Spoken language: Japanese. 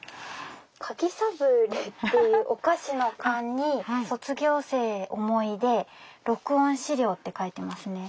「柿サブレー」っていうお菓子の缶に「卒業生思い出録音資料」って書いてますね。